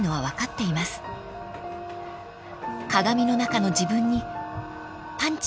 ［鏡の中の自分にパンチ］